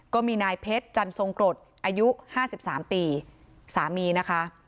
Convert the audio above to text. ก็มีนายเพชรจันทรงกรดอายุ๕๓ปีสามีนะคะ